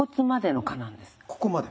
ここまで？